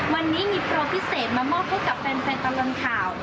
วันนี้มีโปรพิเศษมามอบให้กับแฟนตลอดข่าว